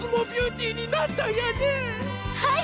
はい！